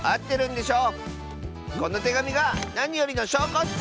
このてがみがなによりのしょうこッス！